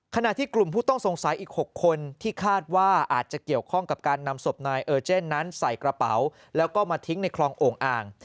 ขณะที่กลุ่มผู้ต้องสงสัยอีก๖คนที่คาดว่าอาจจะเกี่ยวข้องกับการนำศพนายเออร์เจนนั้นใส่กระเป๋าแล้วก็มาทิ้งในคลองโอ่งอ่าง